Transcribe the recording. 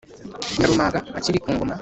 nyirarumaga akiri ku ngoma.